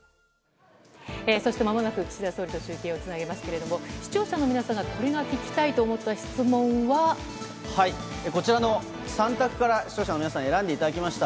そしてまもなく岸田総理と中継をつなぎますけれども、視聴者の皆さんが、これが聞きたいと思こちらの３択から、視聴者の皆さんに選んでいただきました。